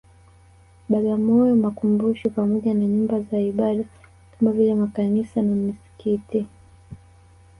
Bagamoyo makumbusho pamoja na Nyumba za Ibada kama vile Makanisa na Misikiti